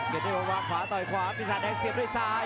กินิคมวางขวาต่อยขวาปีศาสตร์แดงเสียด้วยซ้าย